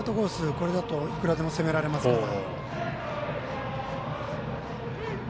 これだといくらでも攻められますから。